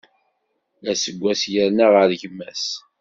Aseggas yerna ɣer gma-s.